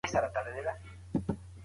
هګۍ خوړونکي کم خطر لري.